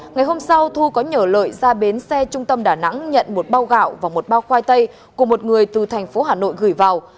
ngày hôm sau thu có nhờ lợi ra bến xe trung tâm đà nẵng nhận một bao gạo và một bao khoai tây của một người từ thành phố hà nội gửi vào